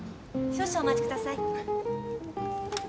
少々お待ちください。